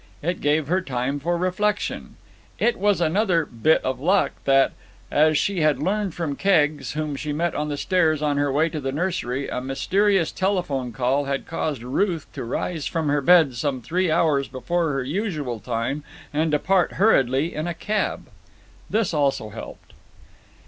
It gave her time for reflection. It was another bit of luck that, as she had learned from Keggs, whom she met on the stairs on her way to the nursery, a mysterious telephone call had caused Ruth to rise from her bed some three hours before her usual time and depart hurriedly in a cab. This also helped.